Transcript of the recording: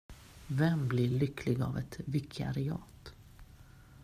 Vem blir lycklig av ett vikariat?